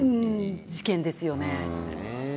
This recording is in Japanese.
事件ですよね。